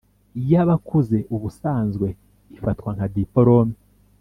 y abakuze ubusanzwe ifatwa nka diporome